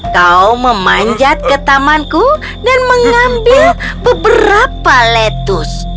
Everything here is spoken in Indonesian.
kau memanjat ke tamanku dan mengambil beberapa lettuce